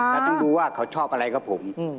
แล้วต้องดูว่าเขาชอบอะไรกับผม